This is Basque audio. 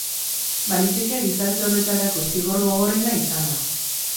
Baliteke gizarte horretarako zigor gogorrena izana.